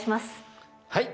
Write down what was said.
はい。